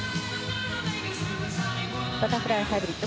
バタフライハイブリッド